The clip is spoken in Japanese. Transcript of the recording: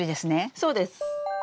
そうです。